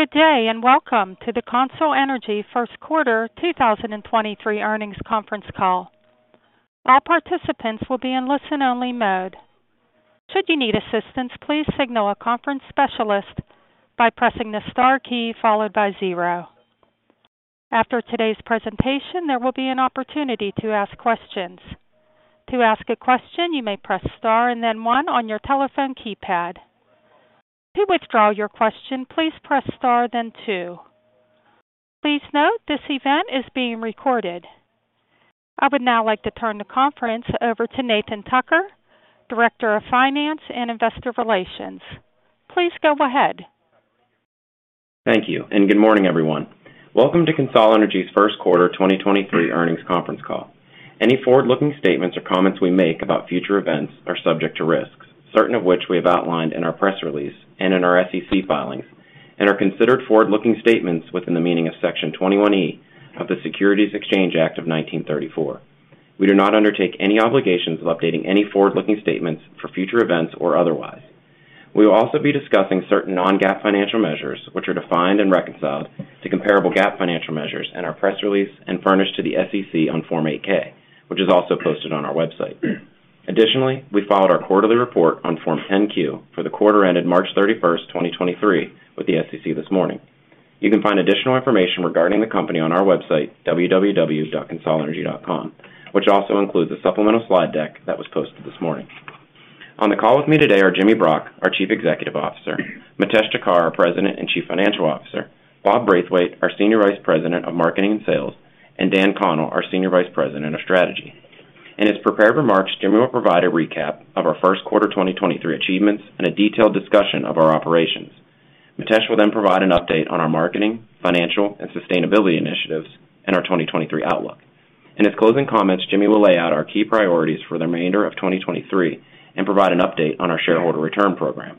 Good day, and welcome to the CONSOL Energy first quarter 2023 earnings conference call. All participants will be in listen-only mode. Should you need assistance, please signal a conference specialist by pressing the star key followed by zero. After today's presentation, there will be an opportunity to ask questions. To ask a question, you may press star and then one on your telephone keypad. To withdraw your question, please press star, then two. Please note this event is being recorded. I would now like to turn the conference over to Nathan Tucker, Director of Finance and Investor Relations. Please go ahead. Thank you, and good morning, everyone. Welcome to CONSOL Energy's first-quarter 2023 earnings conference call. Any forward-looking statements or comments we make about future events are subject to risks, certain of which we have outlined in our press release and in our SEC filings and are considered forward-looking statements within the meaning of Section 21E of the Securities Exchange Act of 1934. We do not undertake any obligations of updating any forward-looking statements for future events or otherwise. We will also be discussing certain non-GAAP financial measures which are defined and reconciled to comparable GAAP financial measures in our press release and furnished to the SEC on Form 8-K, which is also posted on our website. Additionally, we filed our quarterly report on Form 10-Q for the quarter ended March 31st, 2023 with the SEC this morning. You can find additional information regarding the company on our website, www.consolenergy.com, which also includes a supplemental slide deck that was posted this morning. On the call with me today are Jimmy Brock, our Chief Executive Officer, Mitesh Thakkar, our President and Chief Financial Officer, Bob Braithwaite, our Senior Vice President of Marketing and Sales, and Dan Connell, our Senior Vice President of Strategy. In his prepared remarks, Jimmy will provide a recap of our first quarter 2023 achievements and a detailed discussion of our operations. Mitesh will then provide an update on our marketing, financial, and sustainability initiatives and our 2023 outlook. In his closing comments, Jimmy will lay out our key priorities for the remainder of 2023 and provide an update on our shareholder return program.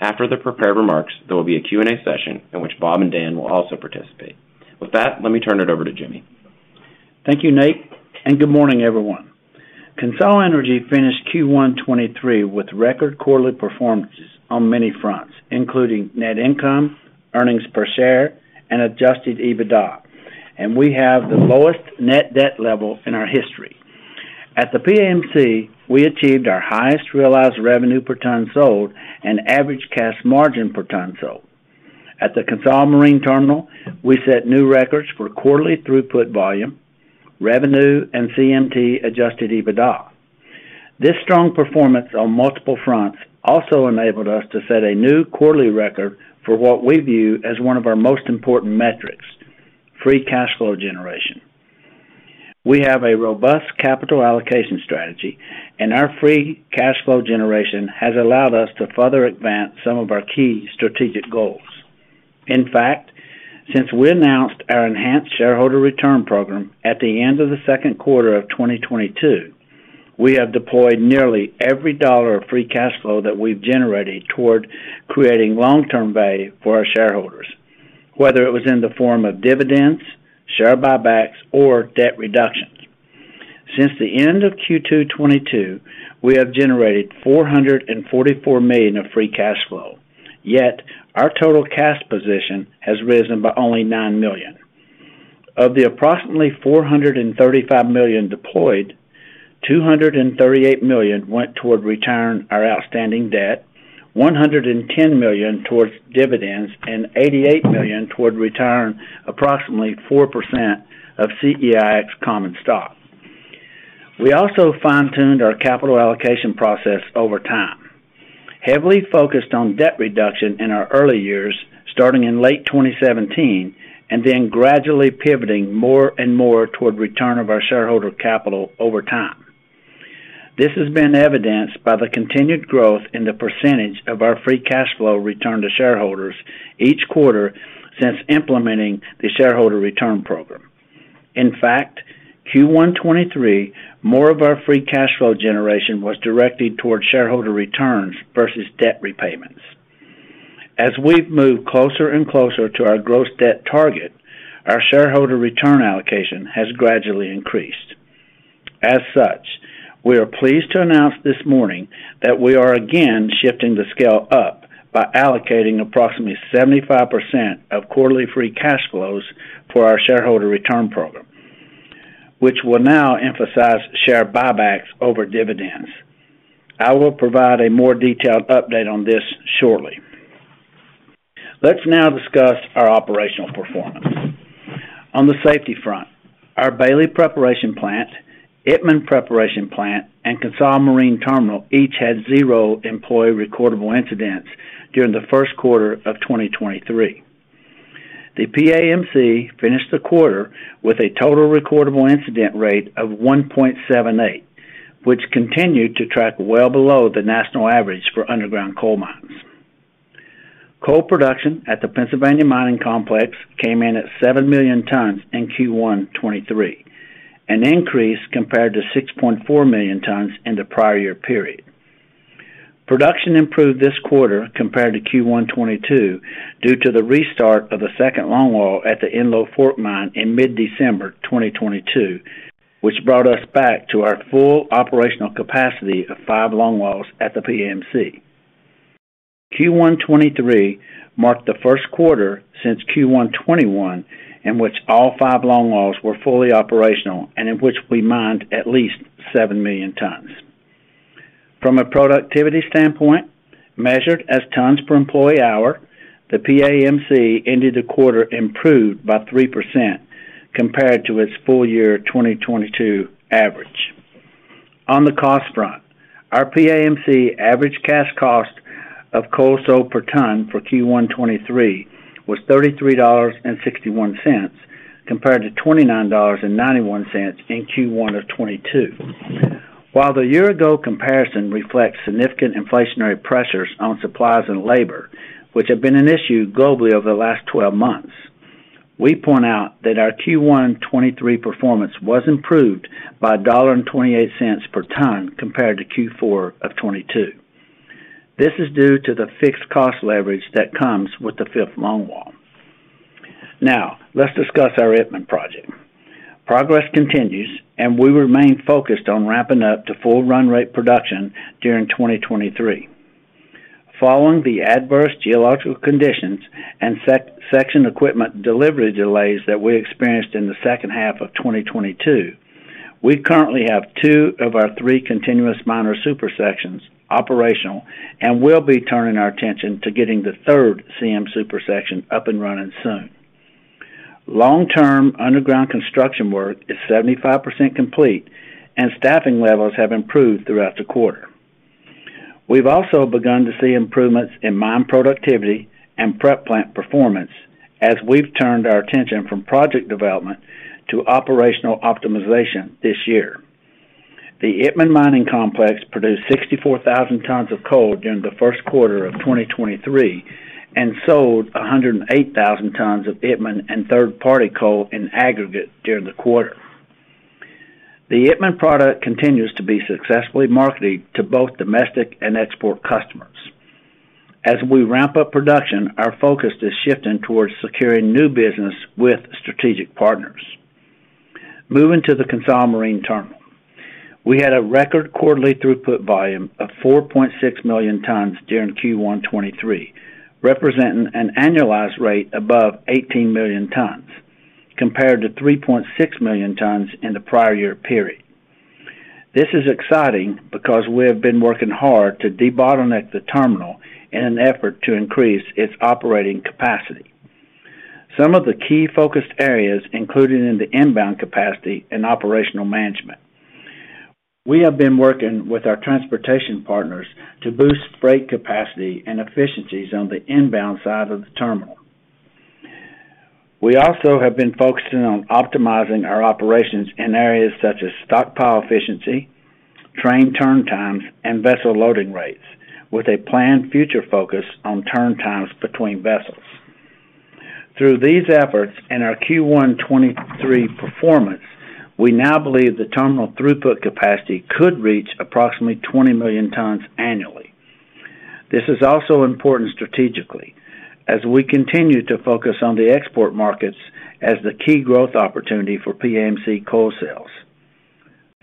After the prepared remarks, there will be a Q and A session in which Bob and Dan will also participate. With that, let me turn it over to Jimmy. Thank you, Nate. Good morning, everyone. CONSOL Energy finished Q1 2023 with record quarterly performances on many fronts, including net income, earnings per share, and Adjusted EBITDA. We have the lowest net debt level in our history. At the PAMC, we achieved our highest realized revenue per ton sold and average cash margin per ton sold. At the CONSOL Marine Terminal, we set new records for quarterly throughput volume, revenue, and CMT Adjusted EBITDA. This strong performance on multiple fronts also enabled us to set a new quarterly record for what we view as one of our most important metrics, free cash flow generation. We have a robust capital allocation strategy. Our free cash flow generation has allowed us to further advance some of our key strategic goals. In fact, since we announced our enhanced shareholder return program at the end of the second quarter of 2022, we have deployed nearly every dollar of free cash flow that we've generated toward creating long-term value for our shareholders, whether it was in the form of dividends, share buybacks, or debt reductions. Since the end of Q2 2022, we have generated $444 million of free cash flow, yet our total cash position has risen by only $9 million. Of the approximately $435 million deployed, $238 million went toward retiring our outstanding debt, $110 million towards dividends, and $88 million toward retiring approximately 4% of CEIX common stock. We also fine-tuned our capital allocation process over time. Heavily focused on debt reduction in our early years, starting in late 2017, and then gradually pivoting more and more toward return of our shareholder capital over time. This has been evidenced by the continued growth in the percentage of our free cash flow returned to shareholders each quarter since implementing the shareholder return program. In fact, Q1 2023, more of our free cash flow generation was directed towards shareholder returns versus debt repayments. As we've moved closer and closer to our gross debt target, our shareholder return allocation has gradually increased. As such, we are pleased to announce this morning that we are again shifting the scale up by allocating approximately 75% of quarterly free cash flows for our shareholder return program, which will now emphasize share buybacks over dividends. I will provide a more detailed update on this shortly. Let's now discuss our operational performance. On the safety front, our Bailey preparation plant, Itmann preparation plant, and CONSOL Marine Terminal each had zero employee recordable incidents during the first quarter of 2023. The PAMC finished the quarter with a total recordable incident rate of 1.78, which continued to track well below the national average for underground coal mines. Coal production at the Pennsylvania Mining Complex came in at 7 million tons in Q1 2023, an increase compared to 6.4 million tons in the prior year period. Production improved this quarter compared to Q1 2022 due to the restart of the second longwall at the Enlow Fork Mine in mid-December 2022. Which brought us back to our full operational capacity of five longwalls at the PAMC. Q1 2023 marked the first quarter since Q1 2021, in which all five longwalls were fully operational and in which we mined at least 7 million tons. From a productivity standpoint, measured as tons per employee hour, the PAMC ended the quarter improved by 3% compared to its full year 2022 average. On the cost front, our PAMC average cash cost of coal sold per ton for Q1 2023 was $33.61, compared to $29.91 in Q1 2022. While the year-ago comparison reflects significant inflationary pressures on supplies and labor, which have been an issue globally over the last 12 months, we point out that our Q1 2023 performance was improved by $1.28 per ton compared to Q4 2022. This is due to the fixed cost leverage that comes with the fifth longwall. Let's discuss our Itmann project. Progress continues and we remain focused on ramping up to full run rate production during 2023. Following the adverse geological conditions and supersection equipment delivery delays that we experienced in the second half of 2022, we currently have two of our three continuous miner supersections operational and will be turning our attention to getting the third CM supersection up and running soon. Long-term underground construction work is 75% complete and staffing levels have improved throughout the quarter. We've also begun to see improvements in mine productivity and prep plant performance as we've turned our attention from project development to operational optimization this year. The Itmann Mining Complex produced 64,000 tons of coal during the first quarter of 2023 and sold 108,000 tons of Itmann and third-party coal in aggregate during the quarter. The Itmann product continues to be successfully marketed to both domestic and export customers. As we ramp up production, our focus is shifting towards securing new business with strategic partners. Moving to the CONSOL Marine Terminal. We had a record quarterly throughput volume of 4.6 million tons during Q1 2023, representing an annualized rate above 18 million tons compared to 3.6 million tons in the prior year period. This is exciting because we have been working hard to debottleneck the terminal in an effort to increase its operating capacity. Some of the key focused areas included in the inbound capacity and operational management. We have been working with our transportation partners to boost freight capacity and efficiencies on the inbound side of the terminal. We also have been focusing on optimizing our operations in areas such as stockpile efficiency, train turn times, and vessel loading rates with a planned future focus on turn times between vessels. Through these efforts and our Q1 2023 performance, we now believe the terminal throughput capacity could reach approximately 20 million tons annually. This is also important strategically as we continue to focus on the export markets as the key growth opportunity for PAMC coal sales.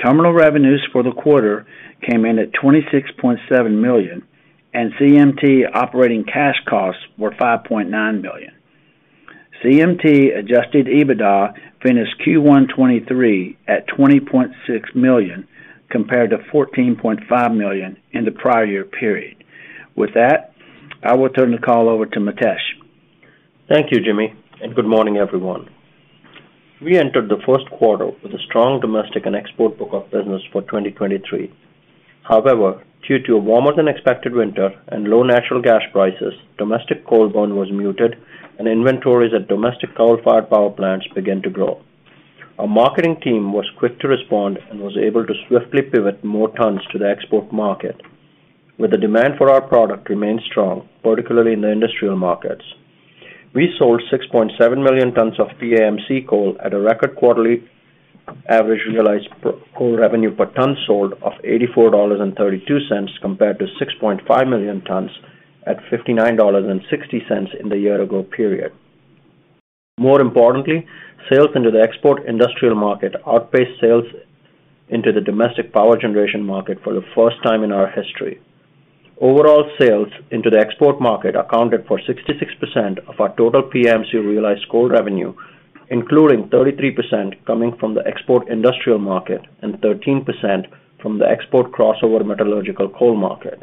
Terminal revenues for the quarter came in at $26.7 million and CMT operating cash costs were $5.9 million. CMT Adjusted EBITDA finished Q1 2023 at $20.6 million, compared to $14.5 million in the prior year period. With that, I will turn the call over to Mitesh. Thank you, Jimmy. Good morning, everyone. We entered the first quarter with a strong domestic and export book of business for 2023. However, due to a warmer than expected winter and low natural gas prices, domestic coal burn was muted and inventories at domestic coal-fired power plants began to grow. Our marketing team was quick to respond and was able to swiftly pivot more tons to the export market. With the demand for our product remained strong, particularly in the industrial markets. We sold 6.7 million tons of PAMC coal at a record quarterly average realized coal revenue per ton sold of $84.32 compared to 6.5 million tons at $59.60 in the year-ago period. More importantly, sales into the export industrial market outpaced sales into the domestic power generation market for the first time in our history. Overall sales into the export market accounted for 66% of our total PAMC realized coal revenue, including 33% coming from the export industrial market and 13% from the export crossover metallurgical coal market.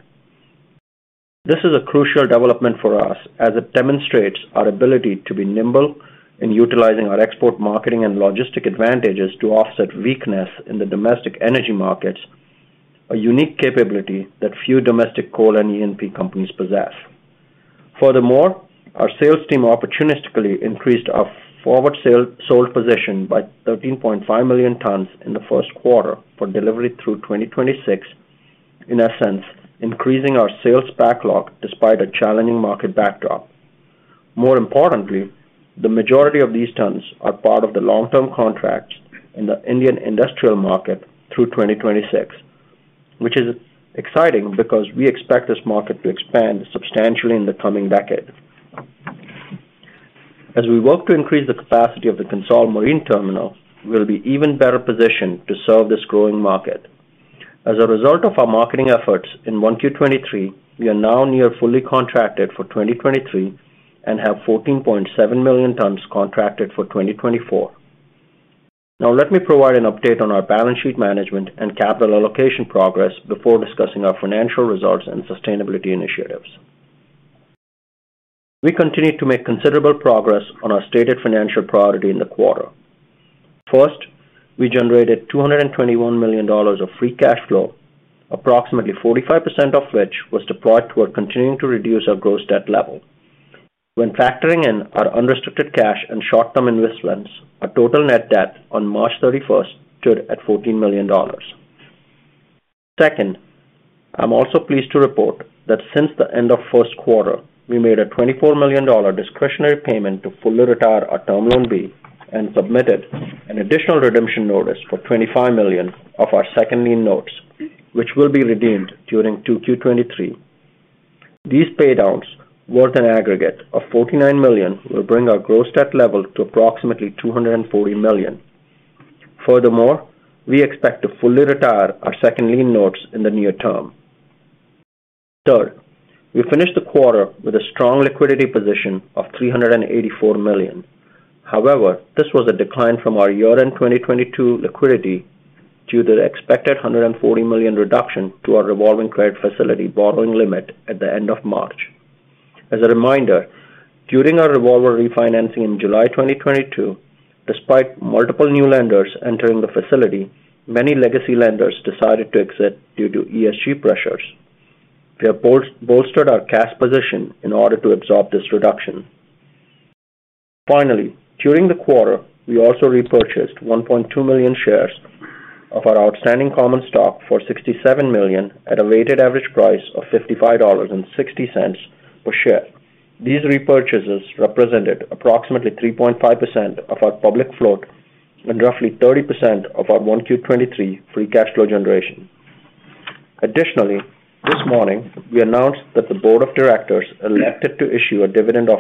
This is a crucial development for us as it demonstrates our ability to be nimble in utilizing our export marketing and logistic advantages to offset weakness in the domestic energy markets, a unique capability that few domestic coal and EMP companies possess. Furthermore, our sales team opportunistically increased our forward sold position by 13.5 million tons in the first quarter for delivery through 2026. In essence, increasing our sales backlog despite a challenging market backdrop. More importantly, the majority of these tons are part of the long-term contracts in the Indian industrial market through 2026, which is exciting because we expect this market to expand substantially in the coming decade. As we work to increase the capacity of the CONSOL Marine Terminal, we'll be even better positioned to serve this growing market. As a result of our marketing efforts in 1Q 2023, we are now near fully contracted for 2023 and have 14.7 million tons contracted for 2024. Let me provide an update on our balance sheet management and capital allocation progress before discussing our financial results and sustainability initiatives. We continue to make considerable progress on our stated financial priority in the quarter. First, we generated $221 million of free cash flow, approximately 45% of which was deployed toward continuing to reduce our gross debt level. When factoring in our unrestricted cash and short-term investments, our total net debt on March 31st stood at $14 million. Second, I'm also pleased to report that since the end of first quarter, we made a $24 million discretionary payment to fully retire our Term Loan B and submitted an additional redemption notice for $25 million of our second lien notes, which will be redeemed during 2Q 2023. These pay downs, worth an aggregate of $49 million, will bring our gross debt level to approximately $240 million. Furthermore, we expect to fully retire our second lien notes in the near term. We finished the quarter with a strong liquidity position of $384 million. This was a decline from our year-end 2022 liquidity due to the expected $140 million reduction to our revolving credit facility borrowing limit at the end of March. As a reminder, during our revolver refinancing in July 2022, despite multiple new lenders entering the facility, many legacy lenders decided to exit due to ESG pressures. We have bolstered our cash position in order to absorb this reduction. During the quarter, we also repurchased 1.2 million shares of our outstanding common stock for $67 million at a weighted average price of $55.60 per share. These repurchases represented approximately 3.5% of our public float and roughly 30% of our Q1 2023 free cash flow generation. Additionally, this morning we announced that the board of directors elected to issue a dividend of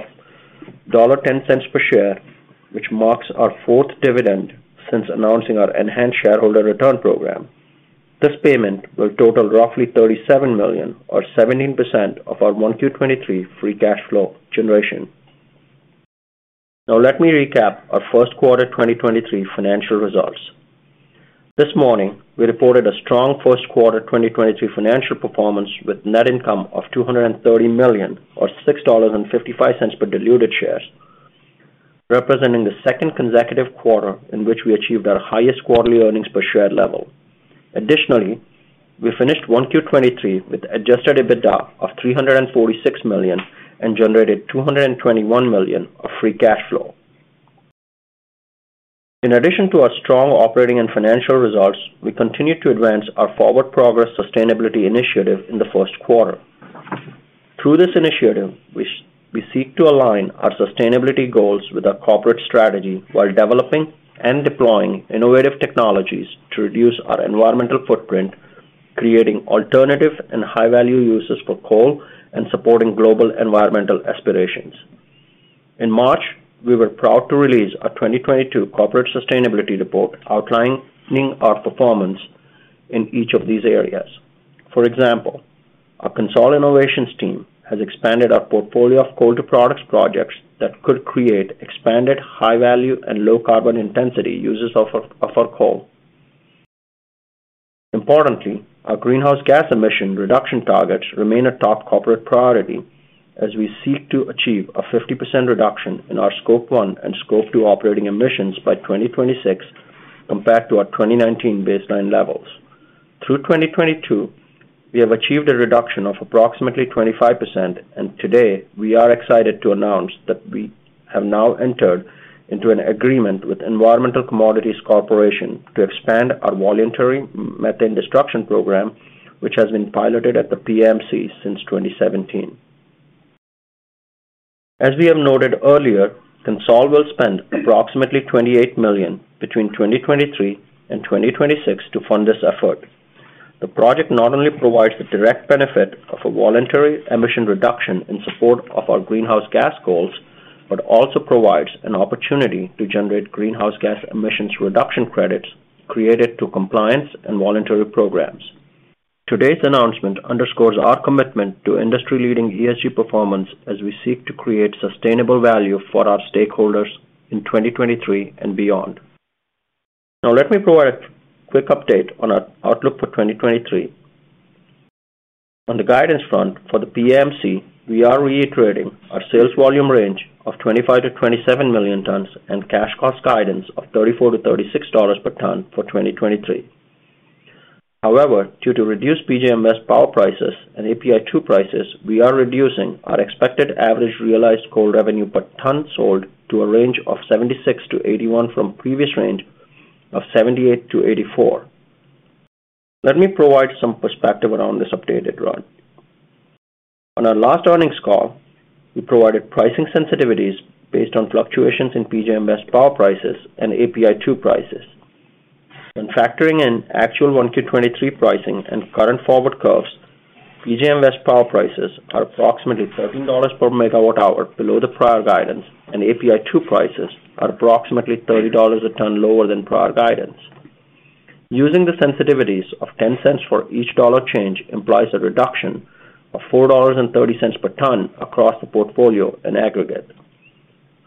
$1.10 per share, which marks our fourth dividend since announcing our enhanced shareholder return program. This payment will total roughly $37 million or 17% of our Q1 2023 free cash flow generation. Let me recap our first quarter 2023 financial results. This morning, we reported a strong first quarter 2023 financial performance with net income of $230 million or $6.55 per diluted shares, representing the second consecutive quarter in which we achieved our highest quarterly earnings per share level. Additionally, we finished Q1 2023 with Adjusted EBITDA of $346 million and generated $221 million of free cash flow. In addition to our strong operating and financial results, we continued to advance our Forward Progress sustainability initiative in the first quarter. Through this initiative, we seek to align our sustainability goals with our corporate strategy while developing and deploying innovative technologies to reduce our environmental footprint, creating alternative and high-value uses for coal and supporting global environmental aspirations. In March, we were proud to release our 2022 corporate sustainability report outlining our performance in each of these areas. For example, our CONSOL Innovations team has expanded our portfolio of coal to products projects that could create expanded high value and low carbon intensity uses of our coal. Importantly, our greenhouse gas emission reduction targets remain a top corporate priority as we seek to achieve a 50% reduction in our Scope 1 and Scope 2 operating emissions by 2026 compared to our 2019 baseline levels. Through 2022, we have achieved a reduction of approximately 25%. Today, we are excited to announce that we have now entered into an agreement with Environmental Commodities Corporation to expand our voluntary methane destruction program, which has been piloted at the PMC since 2017. As we have noted earlier, CONSOL will spend approximately $28 million between 2023 and 2026 to fund this effort. The project not only provides the direct benefit of a voluntary emission reduction in support of our greenhouse gas goals, but also provides an opportunity to generate greenhouse gas emissions reduction credits created to compliance and voluntary programs. Today's announcement underscores our commitment to industry-leading ESG performance as we seek to create sustainable value for our stakeholders in 2023 and beyond. Let me provide a quick update on our outlook for 2023. On the guidance front for the PMC, we are reiterating our sales volume range of 25 million-27 million tons and cash cost guidance of $34-$36 per ton for 2023. Due to reduced PJM power prices and API-2 prices, we are reducing our expected average realized coal revenue per ton sold to a range of $76-$81 from previous range of $78-$84. Let me provide some perspective around this updated run. On our last earnings call, we provided pricing sensitivities based on fluctuations in PJM power prices and API-2 prices. When factoring in actual Q1 2023 pricing and current forward curves, PJM West power prices are approximately $13 per MWh below the prior guidance. API-2 prices are approximately $30 a ton lower than prior guidance. Using the sensitivities of $0.10 for each dollar change implies a reduction of $4.30 per ton across the portfolio in aggregate.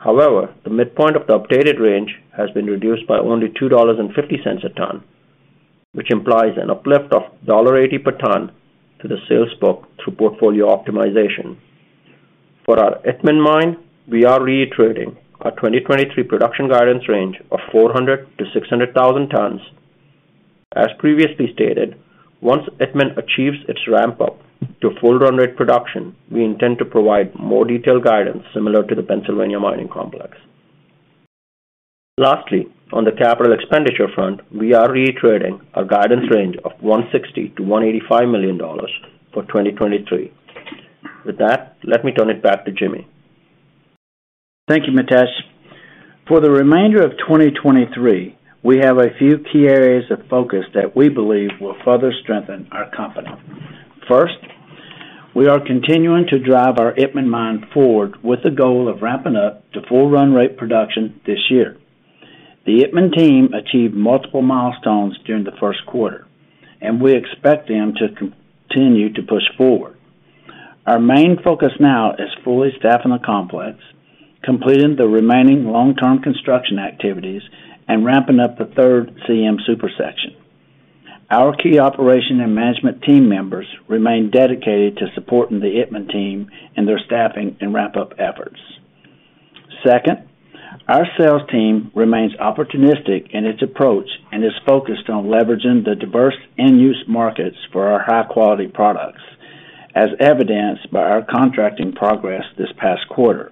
The midpoint of the updated range has been reduced by only $2.50 a ton, which implies an uplift of $1.80 per ton to the sales book through portfolio optimization. For our Itmann Mine, we are reiterating our 2023 production guidance range of 400,000-600,000 tons. As previously stated, once Itmann achieves its ramp up to full run rate production, we intend to provide more detailed guidance similar to the Pennsylvania Mining Complex. Lastly, on the capital expenditure front, we are reiterating our guidance range of $160 million-$185 million for 2023. With that, let me turn it back to Jimmy. Thank you, Mitesh. For the remainder of 2023, we have a few key areas of focus that we believe will further strengthen our company. First, we are continuing to drive our Itmann Mine forward with the goal of ramping up to full run rate production this year. The Itmann team achieved multiple milestones during the first quarter, and we expect them to continue to push forward. Our main focus now is fully staffing the complex, completing the remaining long-term construction activities, and ramping up the third CM supersection. Our key operation and management team members remain dedicated to supporting the Itmann team and their staffing and ramp-up efforts. Second, our sales team remains opportunistic in its approach and is focused on leveraging the diverse end-use markets for our high-quality products, as evidenced by our contracting progress this past quarter,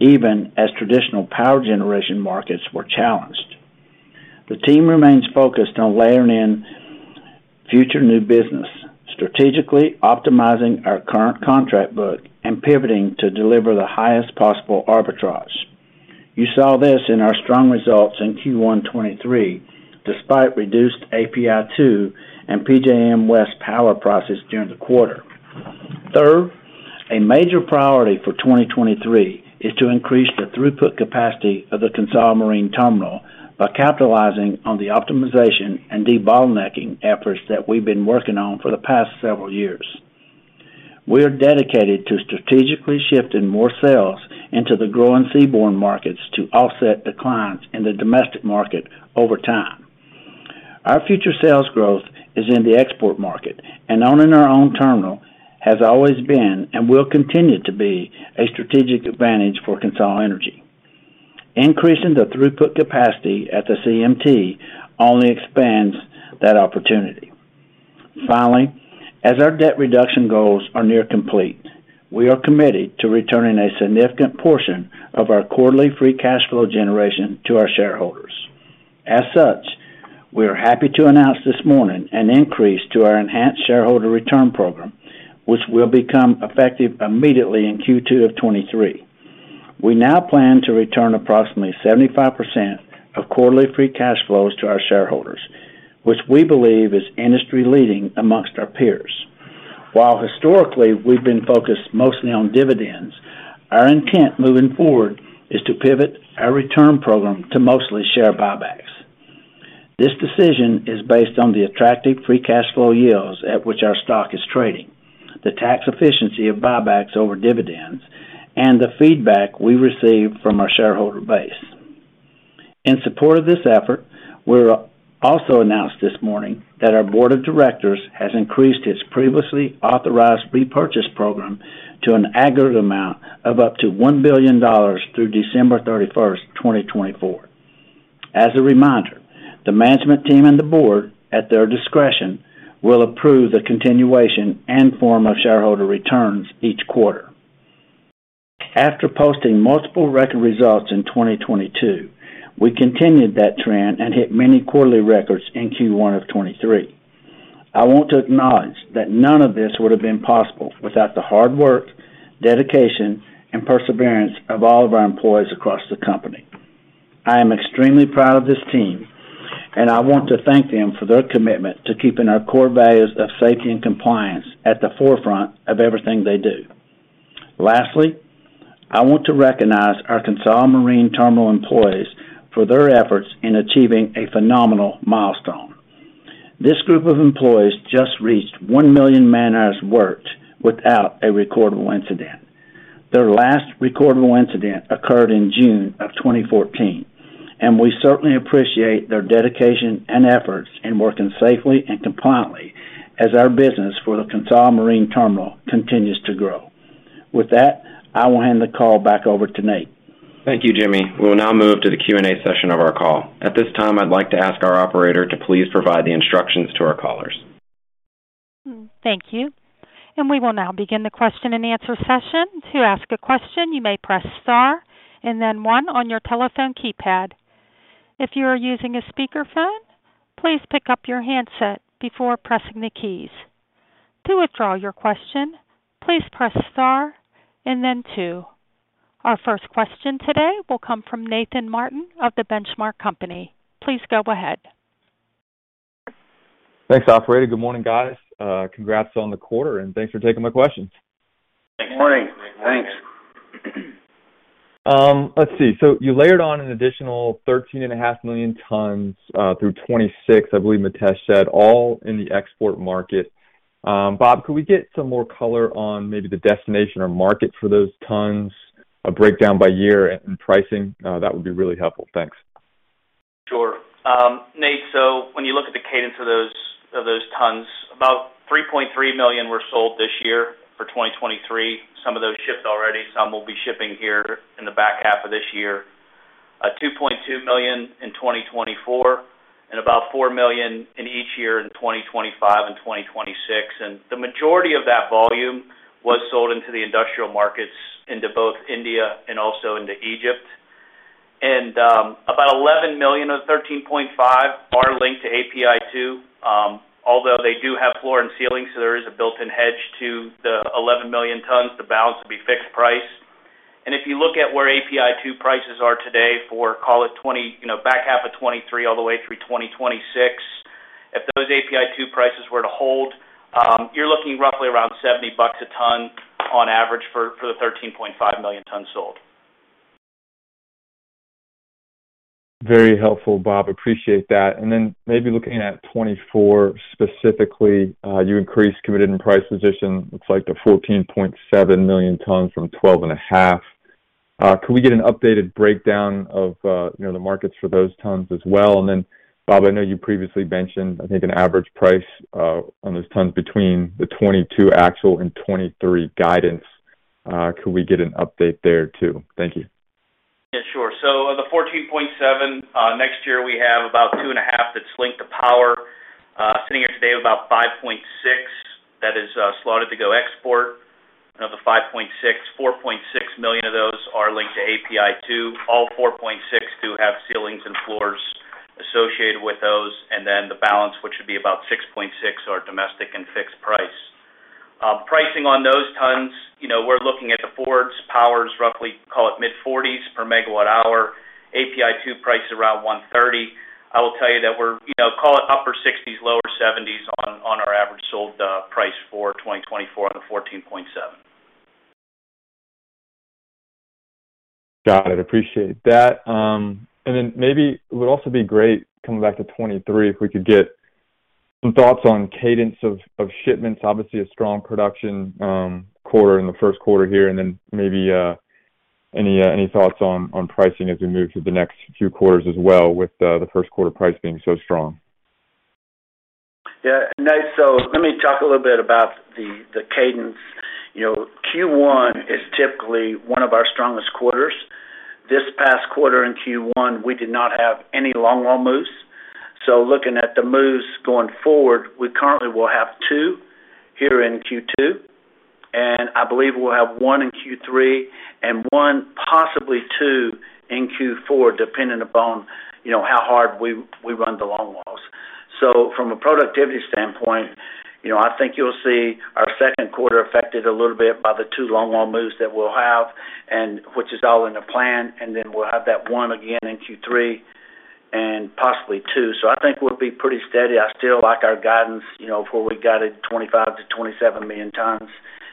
even as traditional power generation markets were challenged. The team remains focused on layering in future new business, strategically optimizing our current contract book, and pivoting to deliver the highest possible arbitrage. You saw this in our strong results in Q1 2023, despite reduced API-2 and PJM West power prices during the quarter. Third, a major priority for 2023 is to increase the throughput capacity of the CONSOL Marine Terminal by capitalizing on the optimization and debottlenecking efforts that we've been working on for the past several years. We are dedicated to strategically shifting more sales into the growing seaborne markets to offset declines in the domestic market over time. Our future sales growth is in the export market, and owning our own terminal has always been and will continue to be a strategic advantage for CONSOL Energy. Increasing the throughput capacity at the CMT only expands that opportunity. Finally, as our debt reduction goals are near complete, we are committed to returning a significant portion of our quarterly free cash flow generation to our shareholders. As such, we are happy to announce this morning an increase to our enhanced shareholder return program, which will become effective immediately in Q2 of 2023. We now plan to return approximately 75% of quarterly free cash flows to our shareholders, which we believe is industry-leading amongst our peers. While historically, we've been focused mostly on dividends, our intent moving forward is to pivot our return program to mostly share buybacks. This decision is based on the attractive free cash flow yields at which our stock is trading, the tax efficiency of buybacks over dividends, and the feedback we received from our shareholder base. In support of this effort, also announced this morning that our board of directors has increased its previously authorized repurchase program to an aggregate amount of up to $1 billion through December 31, 2024. As a reminder, the management team and the board, at their discretion, will approve the continuation and form of shareholder returns each quarter. After posting multiple record results in 2022, we continued that trend and hit many quarterly records in Q1 of 2023. I want to acknowledge that none of this would have been possible without the hard work, dedication, and perseverance of all of our employees across the company. I am extremely proud of this team, and I want to thank them for their commitment to keeping our core values of safety and compliance at the forefront of everything they do. Lastly, I want to recognize our CONSOL Marine Terminal employees for their efforts in achieving a phenomenal milestone. This group of employees just reached 1 million man-hours worked without a recordable incident. Their last recordable incident occurred in June 2014. We certainly appreciate their dedication and efforts in working safely and compliantly as our business for the CONSOL Marine Terminal continues to grow. With that, I will hand the call back over to Nate. Thank you, Jimmy. We will now move to the Q and A session of our call. At this time, I'd like to ask our operator to please provide the instructions to our callers. Thank you. We will now begin the question and answer session. To ask a question, you may press star and then one on your telephone keypad. If you are using a speakerphone, please pick up your handset before pressing the keys. To withdraw your question, please press star and then two. Our first question today will come from Nathan Martin of The Benchmark Company. Please go ahead. Thanks, operator. Good morning, guys. Congrats on the quarter, and thanks for taking my questions. Good morning. Thanks. Let's see. You layered on an additional 13.5 million tons through 2026, I believe Mites said, all in the export market. Bob, could we get some more color on maybe the destination or market for those tons, a breakdown by year and pricing? That would be really helpful. Thanks. Sure. Nate, when you look at the cadence of those, of those tons, about 3.3 million were sold this year for 2023. Some of those shipped already, some will be shipping here in the back half of this year. 2.2 million in 2024 and about 4 million in each year in 2025 and 2026. The majority of that volume was sold into the industrial markets into both India and also into Egypt. About 11 million of 13.5 are linked to API-2, although they do have floor and ceiling, so there is a built-in hedge to the 11 million tons. The balance will be fixed price. If you look at where API-2 prices are today for, call it 20, you know, back half of 2023 all the way through 2026, if those API-2 prices were to hold, you're looking roughly around $70 a ton on average for the 13.5 million tons sold. Very helpful, Bob. Appreciate that. Maybe looking at 2024 specifically, you increased committed and price position. Looks like the 14.7 million tons from 12.5. Can we get an updated breakdown of, you know, the markets for those tons as well? Bob, I know you previously mentioned, I think, an average price on those tons between the 2022 actual and 2023 guidance. Could we get an update there too? Thank you. Yeah, sure. The 14.7, next year we have about 2.5 that's linked to power, sitting here today about 5.6 that is slotted to go export. Of the 5.6, 4.6 million of those are linked to API-2. All 4.6 do have ceilings and floors associated with those. And then the balance, which would be about 6.6, are domestic and fixed price. Pricing on those tons, you know, we're looking at the Fords powers roughly, call it mid-$40s per MWh, API-2 price around $130. I will tell you that we're, you know, call it upper $60s, lower $70s on our average sold price for 2024 on the 14.7. Got it. Appreciate that. Maybe it would also be great coming back to 23, if we could get some thoughts on cadence of shipments. Obviously a strong production, quarter in the first quarter here, and then maybe, any thoughts on pricing as we move through the next few quarters as well with the first quarter price being so strong. Yeah. Nate, let me talk a little bit about the cadence. You know, Q1 is typically one of our strongest quarters. This past quarter in Q1, we did not have any long-wall moves. Looking at the moves going forward, we currently will have two here in Q2, and I believe we'll have one in Q3 and one, possibly on in Q4, depending upon, you know, how hard we run the long walls. From a productivity standpoint, you know, I think you'll see our second quarter affected a little bit by the two long wall moves that we'll have, and which is all in the plan. We'll have that one again in Q3 and possibly two. I think we'll be pretty steady. I still like our guidance, you know, of where we got it, 25 million tons-27 million tons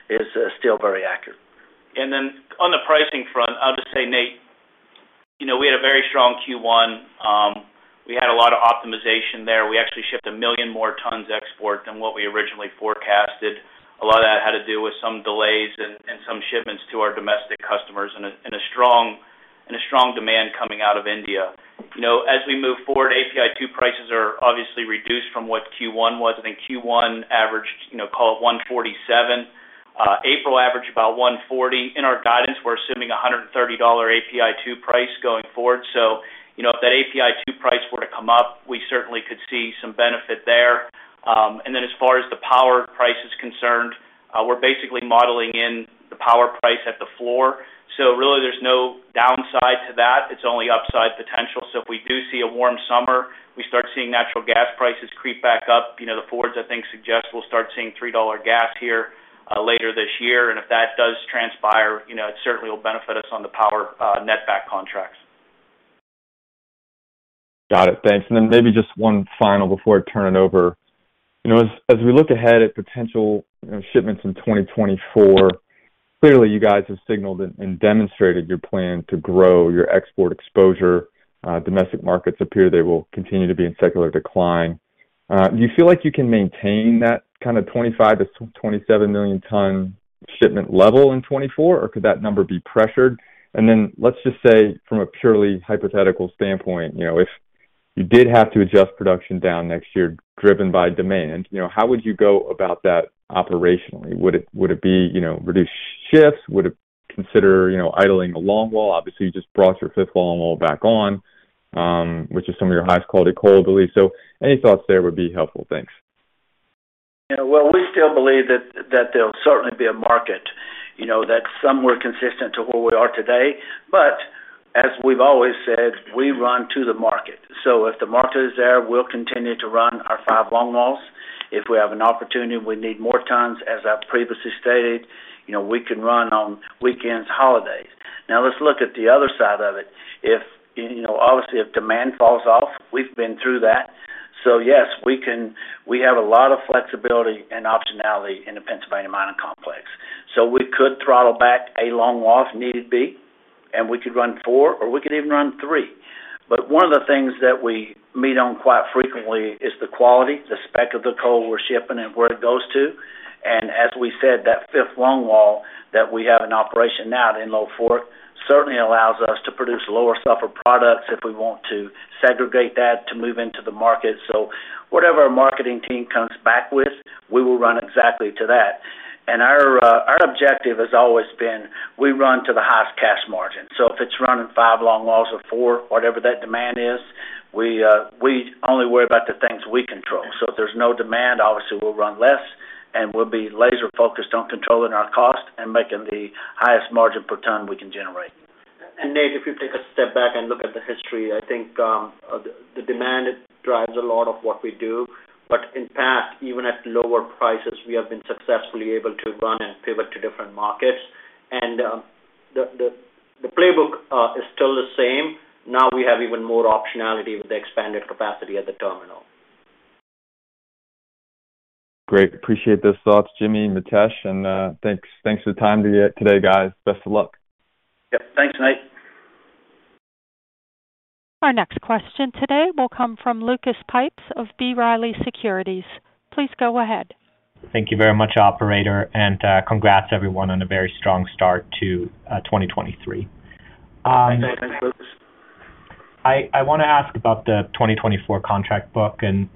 is still very accurate. On the pricing front, I'll just say, Nate, you know, we had a very strong Q1. We had a lot of optimization there. We actually shipped 1 million more tons export than what we originally forecasted. A lot of that had to do with some delays and some shipments to our domestic customers and a strong demand coming out of India. You know, as we move forward, API-2 prices are obviously reduced from what Q1 was. I think Q1 averaged, you know, call it $147. April averaged about $140. In our guidance, we're assuming a $130 API-2 price going forward. You know, if that API-2 price were to come up, we certainly could see some benefit there. As far as the power price is concerned, we're basically modeling in the power price at the floor. Really there's no downside to that. It's only upside potential. If we do see a warm summer, we start seeing natural gas prices creep back up. You know, the forwards I think suggest we'll start seeing $3 gas here later this year. If that does transpire, you know, it certainly will benefit us on the power net back contracts. Got it. Thanks. Then maybe just one final before I turn it over. You know, as we look ahead at potential, you know, shipments in 2024, clearly you guys have signaled and demonstrated your plan to grow your export exposure. Domestic markets appear they will continue to be in secular decline. Do you feel like you can maintain that kind of 25 million-27 million ton shipment level in 2024, or could that number be pressured? Then let's just say from a purely hypothetical standpoint, you know, if you did have to adjust production down next year driven by demand, you know, how would you go about that operationally? Would it be, you know, reduced shifts? Would it consider, you know, idling a long wall? Obviously, you just brought your fifth long wall back on, which is some of your highest quality coal, I believe. Any thoughts there would be helpful. Thanks. Well, we still believe that there'll certainly be a market, you know, that's somewhere consistent to where we are today. As we've always said, we run to the market. If the market is there, we'll continue to run our five long walls. If we have an opportunity, we need more tons, as I previously stated, you know, we can run on weekends, holidays. Let's look at the other side of it. If, you know, obviously, if demand falls off, we've been through that. Yes, we have a lot of flexibility and optionality in the Pennsylvania Mining Complex. We could throttle back a long wall if needed be. We could run four or we could even run three. One of the things that we meet on quite frequently is the quality, the spec of the coal we're shipping and where it goes to. As we said, that fifth long wall that we have in operation now in Enlow Fork, certainly allows us to produce lower sulfur products if we want to segregate that to move into the market. Whatever our marketing team comes back with, we will run exactly to that. Our objective has always been we run to the highest cash margin. If it's running five long walls or four, whatever that demand is, we only worry about the things we control. If there's no demand, obviously we'll run less, and we'll be laser-focused on controlling our cost and making the highest margin per ton we can generate. Nate, if you take a step back and look at the history, I think, the demand, it drives a lot of what we do. In past, even at lower prices, we have been successfully able to run and pivot to different markets. The playbook is still the same. Now we have even more optionality with the expanded capacity at the terminal. Great. Appreciate those thoughts, Jimmy and Mitesh, and, thanks for the time today, guys. Best of luck. Yep. Thanks, Nate. Our next question today will come from Lucas Pipes of B. Riley Securities. Please go ahead. Thank you very much, operator. Congrats everyone on a very strong start to 2023. Thanks, Lucas. I wanna ask about the 2024 contract book and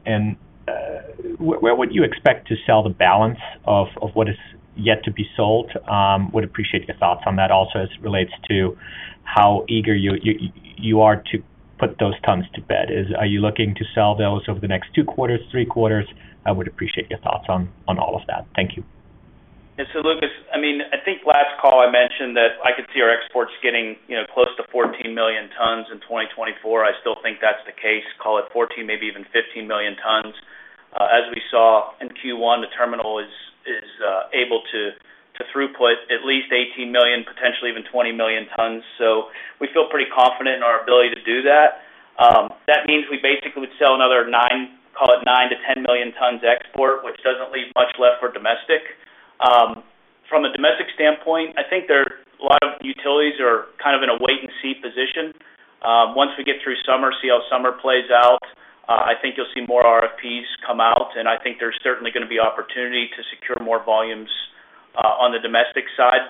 where would you expect to sell the balance of what is yet to be sold? I would appreciate your thoughts on that also as it relates to how eager you are to put those tons to bed. Are you looking to sell those over the next two quarters, three quarters? I would appreciate your thoughts on all of that. Thank you. Lucas, I mean, I think last call I mentioned that I could see our exports getting, you know, close to 14 million tons in 2024. I still think that's the case. Call it 14, maybe even 15 million tons. As we saw in Q1, the terminal is able to throughput at least 18 million, potentially even 20 million tons. We feel pretty confident in our ability to do that. That means we basically would sell another nine, call it 9 million-10 million tons export, which doesn't leave much left for domestic. From a domestic standpoint, I think there are a lot of utilities are kind of in a wait-and-see position. Once we get through summer, see how summer plays out, I think you'll see more RFPs come out, and I think there's certainly gonna be opportunity to secure more volumes on the domestic side.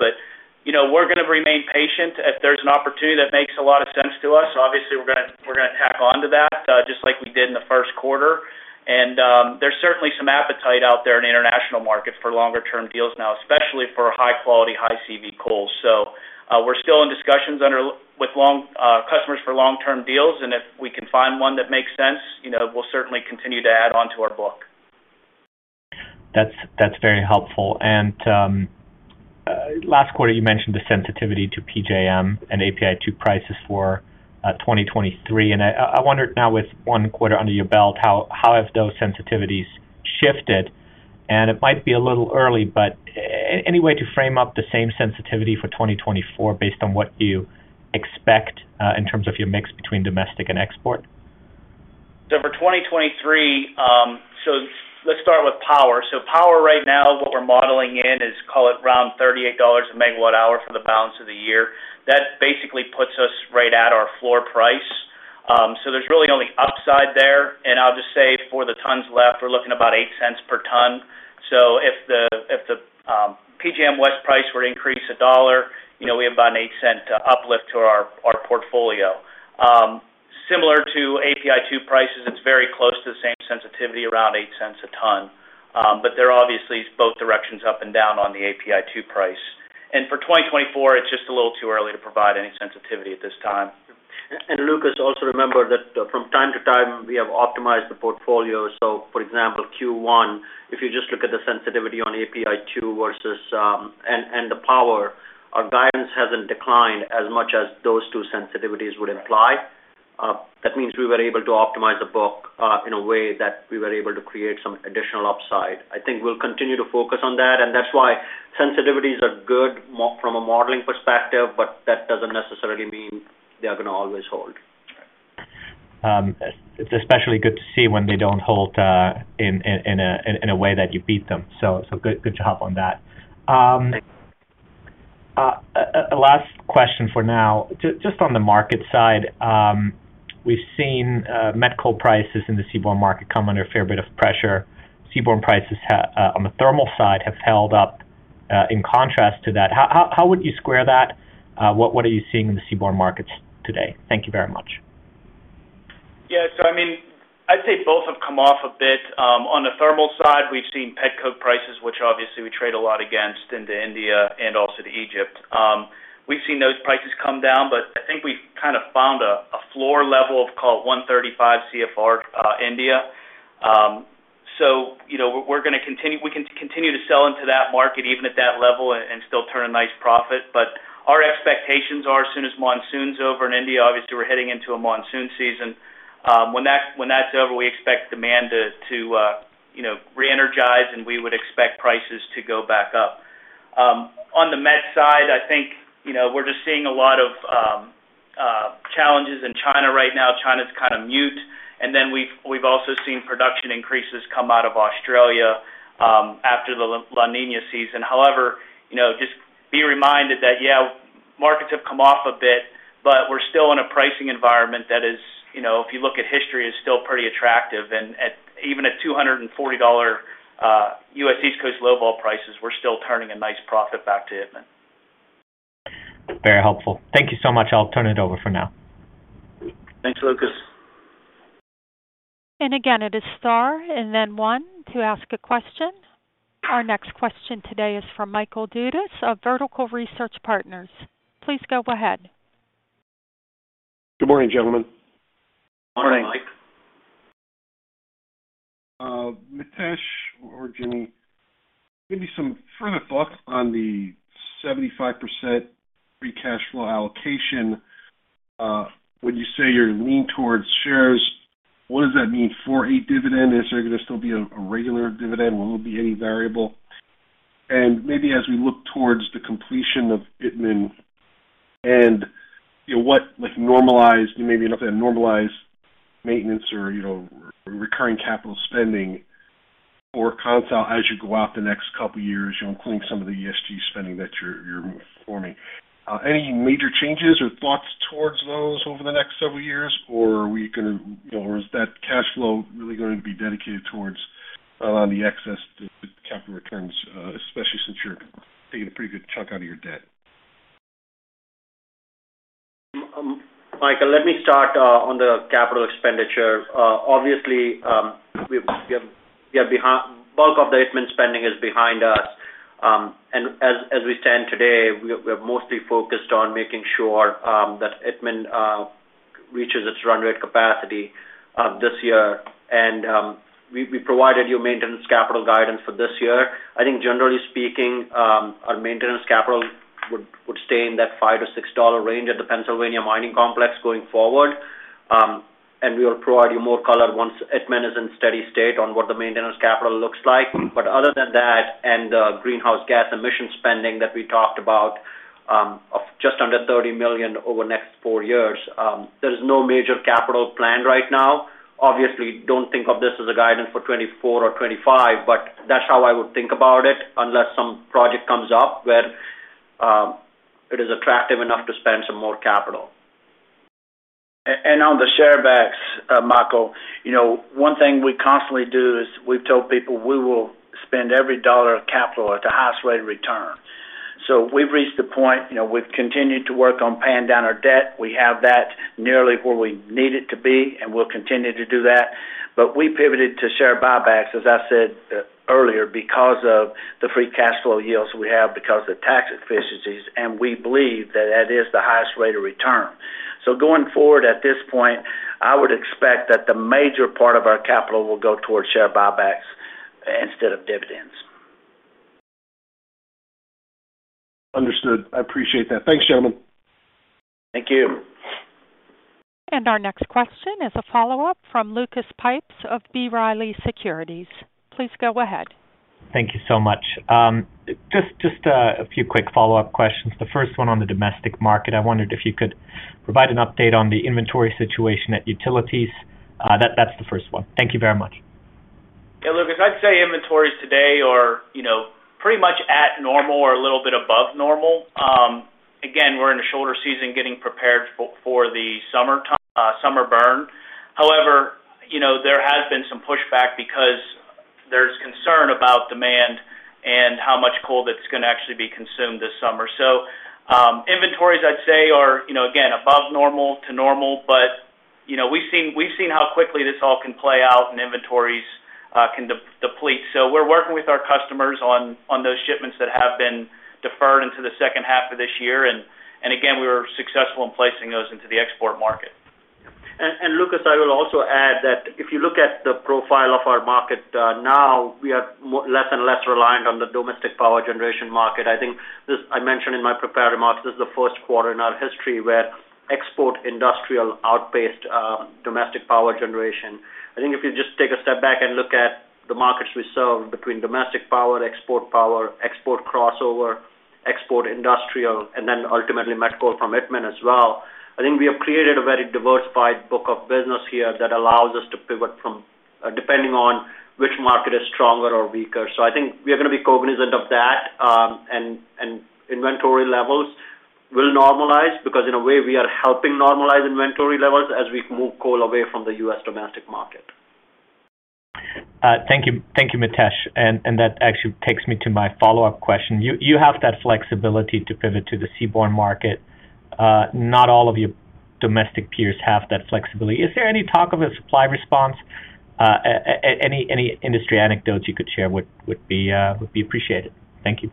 You know, we're gonna remain patient. If there's an opportunity that makes a lot of sense to us, obviously we're gonna, we're gonna tack on to that, just like we did in the first quarter. There's certainly some appetite out there in international markets for longer-term deals now, especially for high-quality, high-CV coal. We're still in discussions with customers for long-term deals, and if we can find one that makes sense, you know, we'll certainly continue to add on to our book. That's very helpful. Last quarter, you mentioned the sensitivity to PJM and API-2 prices for 2023. I wonder now with one quarter under your belt, how have those sensitivities shifted? It might be a little early, but any way to frame up the same sensitivity for 2024 based on what you expect in terms of your mix between domestic and export? For 2023, let's start with power. Power right now, what we're modeling in is call it around $38 MWh for the balance of the year. That basically puts us right at our floor price. There's really only upside there. I'll just say for the tons left, we're looking about $0.08 per ton. If the PJM West price were to increase $1, you know, we have about an $0.08 uplift to our portfolio. Similar to API2 prices, it's very close to the same sensitivity, around $0.08 a ton. They're obviously both directions up and down on the API2 price. For 2024, it's just a little too early to provide any sensitivity at this time. Lucas, also remember that from time to time, we have optimized the portfolio. For example, Q1, if you just look at the sensitivity on API2 versus, and the power, our guidance hasn't declined as much as those two sensitivities would imply. That means we were able to optimize the book in a way that we were able to create some additional upside. I think we'll continue to focus on that, and that's why sensitivities are good from a modeling perspective, but that doesn't necessarily mean they are gonna always hold. It's especially good to see when they don't hold, in a way that you beat them. Good job on that. Thanks. A last question for now. Just on the market side, we've seen met coal prices in the seaborne market come under a fair bit of pressure. Seaborne prices on the thermal side have held up in contrast to that. How would you square that? What are you seeing in the seaborne markets today? Thank you very much. Yeah. I mean, I'd say both have come off a bit. On the thermal side, we've seen petcoke prices, which obviously we trade a lot against into India and also to Egypt. We've seen those prices come down, but I think we've kind of found a floor level of, call it $135 CFR, India. You know, we can continue to sell into that market even at that level and still turn a nice profit. Our expectations are as soon as monsoon's over in India, obviously, we're heading into a monsoon season. When that, when that's over, we expect demand to, you know, re-energize, and we would expect prices to go back up. On the met side, I think, you know, we're just seeing a lot of challenges in China right now. China's kind of mute. We've also seen production increases come out of Australia after the La Niña season. However, you know, just be reminded that markets have come off a bit, but we're still in a pricing environment that is, you know, if you look at history, is still pretty attractive. At even at $240 U.S. East Coast low-vol prices, we're still turning a nice profit back to Itmann. Very helpful. Thank you so much. I'll turn it over for now. Thanks, Lucas. Again, it is star and then one to ask a question. Our next question today is from Michael Dudas of Vertical Research Partners. Please go ahead. Good morning, gentlemen. Morning. Morning. Mitesh or Jimmy, maybe some further thoughts on the 75% free cash flow allocation. When you say you're lean towards shares, what does that mean for a dividend? Is there gonna still be a regular dividend? Will it be any variable? Maybe as we look towards the completion of Itmann and, you know, what, like normalized, maybe not the normalized maintenance or, you know, recurring capital spending for Conesville as you go out the next couple years, you know, including some of the ESG spending that you're performing, any major changes or thoughts towards those over the next several years? You know, or is that cash flow really going to be dedicated towards on the excess to capital returns, especially since you're taking a pretty good chunk out of your debt? Michael, let me start on the capital expenditure. Obviously, the bulk of the Itmann spending is behind us. As we stand today, we are mostly focused on making sure that Itmann reaches its run rate capacity this year. We provided you maintenance capital guidance for this year. I think generally speaking, our maintenance capital would stay in that $5-$6 range at the Pennsylvania Mining Complex going forward. We will provide you more color once Itmann is in steady state on what the maintenance capital looks like. Other than that and the greenhouse gas emission spending that we talked about, of just under $30 million over next four years, there is no major capital planned right now. Obviously, don't think of this as a guidance for 2024 or 2025, but that's how I would think about it unless some project comes up where it is attractive enough to spend some more capital. On the share backs, Michael, you know, one thing we constantly do is we've told people we will spend every dollar of capital at the highest rate of return. We've reached the point, you know, we've continued to work on paying down our debt. We have that nearly where we need it to be, and we'll continue to do that. We pivoted to share buybacks, as I said earlier, because of the free cash flow yields we have because of the tax efficiencies, and we believe that that is the highest rate of return. Going forward, at this point, I would expect that the major part of our capital will go towards share buybacks instead of dividends. Understood. I appreciate that. Thanks, gentlemen. Thank you. Our next question is a follow-up from Lucas Pipes of B. Riley Securities. Please go ahead. Thank you so much. Just a few quick follow-up questions. The first one on the domestic market. I wondered if you could provide an update on the inventory situation at Utilities. That's the first one. Thank you very much. Yeah, Lucas, I'd say inventories today are, you know, pretty much at normal or a little bit above normal. Again, we're in a shorter season getting prepared for the summertime summer burn. However, there has been some pushback because there's concern about demand and how much coal that's gonna actually be consumed this summer. Inventories I'd say are, you know, again, above normal to normal. We've seen how quickly this all can play out and inventories can deplete. We're working with our customers on those shipments that have been deferred into the second half of this year. Again, we were successful in placing those into the export market. Lucas, I will also add that if you look at the profile of our market, now we are less and less reliant on the domestic power generation market. I think this, I mentioned in my prepared remarks, this is the first quarter in our history where export industrial outpaced, domestic power generation. I think if you just take a step back and look at the markets we serve between domestic power, export power, export crossover, export industrial, and then ultimately met coal from Itmann as well, I think we have created a very diversified book of business here that allows us to pivot from, depending on which market is stronger or weaker. I think we are gonna be cognizant of that, and inventory levels will normalize because in a way, we are helping normalize inventory levels as we move coal away from the U.S. domestic market. Thank you, Mitesh. That actually takes me to my follow-up question. You have that flexibility to pivot to the seaborne market. Not all of your domestic peers have that flexibility. Is there any talk of a supply response? Any industry anecdotes you could share would be appreciated. Thank you.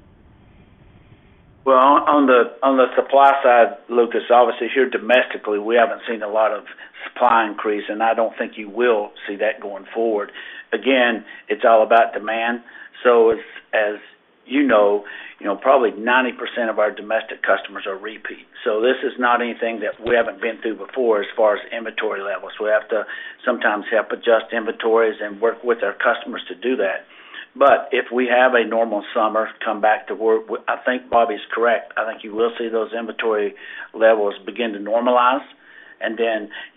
On, on the, on the supply side, Lucas, obviously here domestically, we haven't seen a lot of supply increase, and I don't think you will see that going forward. It's all about demand. As, as you know, you know, probably 90% of our domestic customers are repeat. This is not anything that we haven't been through before as far as inventory levels. We have to sometimes help adjust inventories and work with our customers to do that. If we have a normal summer come back to work, I think Bobby's correct. I think you will see those inventory levels begin to normalize.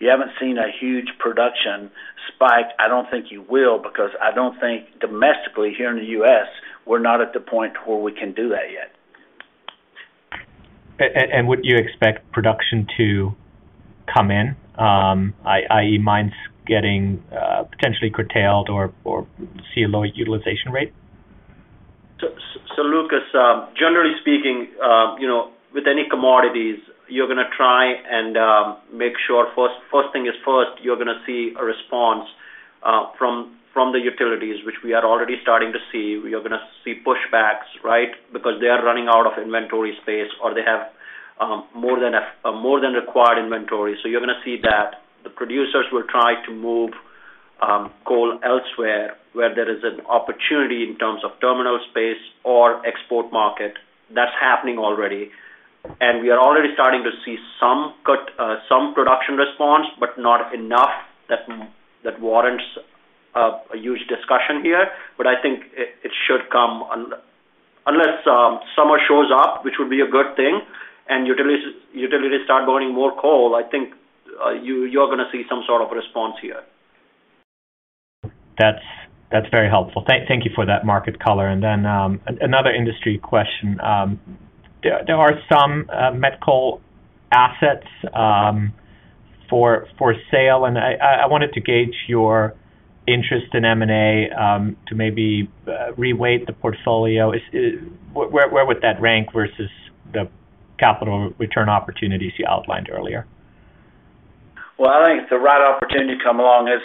You haven't seen a huge production spike. I don't think you will because I don't think domestically here in the U.S., we're not at the point to where we can do that yet. Would you expect production to come in, id est. mines getting, potentially curtailed or see a lower utilization rate? Lucas, generally speaking, you know, with any commodities, you're gonna try and make sure first thing is first, you're gonna see a response from the utilities, which we are already starting to see. We are gonna see pushbacks, right? Because they are running out of inventory space or they have more than a more than required inventory. You're gonna see that. The producers will try to move coal elsewhere, where there is an opportunity in terms of terminal space or export market. That's happening already. We are already starting to see some cut, some production response, but not enough that warrants a huge discussion here. I think it should come unless summer shows up, which would be a good thing, and utilities start burning more coal. I think, you're gonna see some sort of response here. That's very helpful. Thank you for that market color. Another industry question. There are some met coal assets for sale, and I wanted to gauge your interest in M&A to maybe re-weight the portfolio. Where would that rank versus the capital return opportunities you outlined earlier? Well, I think if the right opportunity come along, as,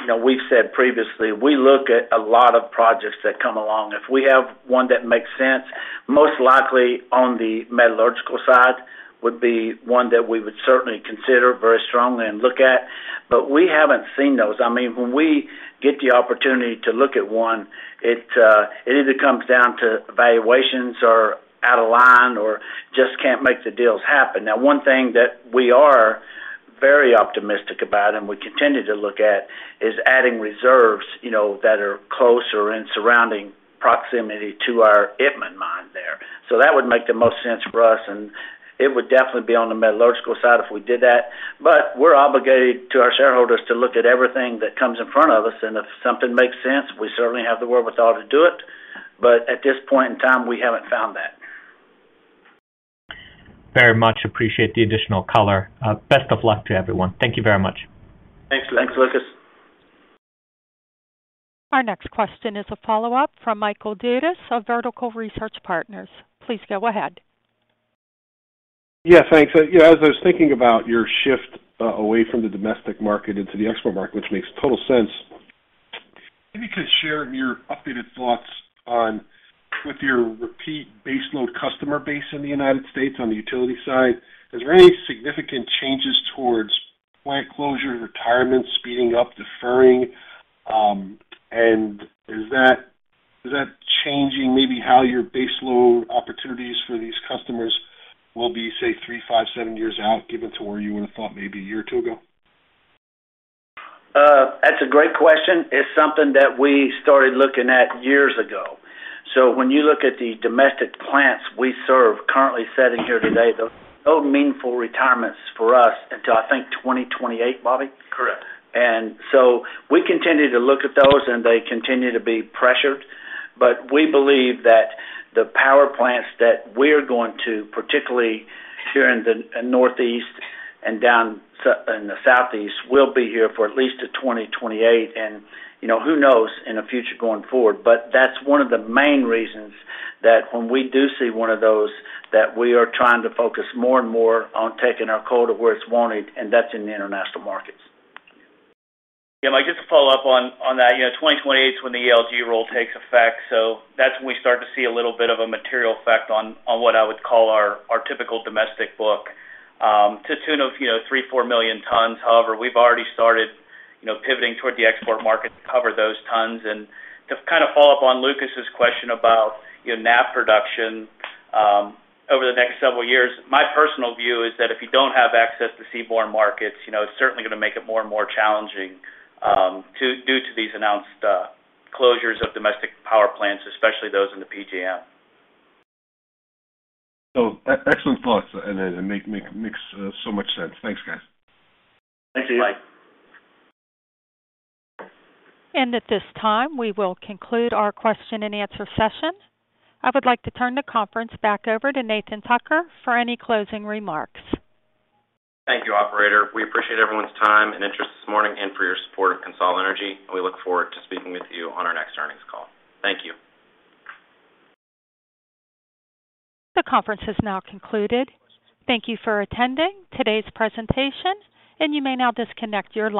you know, we've said previously, we look at a lot of projects that come along. If we have one that makes sense, most likely on the metallurgical side would be one that we would certainly consider very strongly and look at. We haven't seen those. I mean, when we get the opportunity to look at one, it either comes down to valuations are out of line or just can't make the deals happen. One thing that we are very optimistic about and we continue to look at is adding reserves, you know, that are closer in surrounding proximity to our Itmann mine there. That would make the most sense for us, and it would definitely be on the metallurgical side if we did that. We're obligated to our shareholders to look at everything that comes in front of us. If something makes sense, we certainly have the wherewithal to do it. At this point in time, we haven't found that. Very much appreciate the additional color. Best of luck to everyone. Thank you very much. Thanks. Thanks, Lucas. Our next question is a follow-up from Michael Dudas of Vertical Research Partners. Please go ahead. Yeah, thanks. As I was thinking about your shift away from the domestic market into the export market, which makes total sense, maybe you could share your updated thoughts on with your repeat baseload customer base in the United States on the utility side. Is there any significant changes towards plant closure, retirement, speeding up, deferring? Is that changing maybe how your baseload opportunities for these customers will be, say, three, five, seven years out, given to where you would have thought maybe one or two years ago? That's a great question. It's something that we started looking at years ago. When you look at the domestic plants we serve currently sitting here today, there are no meaningful retirements for us until, I think, 2028, Bobby? Correct. We continue to look at those, and they continue to be pressured. We believe that the power plants that we're going to, particularly here in the Northeast and down in the Southeast, will be here for at least to 2028. You know, who knows in the future going forward. That's one of the main reasons that when we do see one of those, that we are trying to focus more and more on taking our coal to where it's wanted, and that's in the international markets. Yeah, Mike, just to follow up on that. You know, 2028 is when the ELG rule takes effect. That's when we start to see a little bit of a material effect on what I would call our typical domestic book, to the tune of, you know, 3, 4 million tons. However, we've already started, you know, pivoting toward the export market to cover those tons. To kind of follow up on Lucas's question about, you know, NAV production over the next several years, my personal view is that if you don't have access to seaborne markets, you know, it's certainly gonna make it more and more challenging due to these announced closures of domestic power plants, especially those in the PJM. Excellent thoughts and makes so much sense. Thanks, guys. Thanks. Thanks. At this time, we will conclude our question-and-answer session. I would like to turn the conference back over to Nathan Tucker for any closing remarks. Thank you, operator. We appreciate everyone's time and interest this morning and for your support of CONSOL Energy. We look forward to speaking with you on our next earnings call. Thank you. The conference has now concluded. Thank you for attending today's presentation, you may now disconnect your line.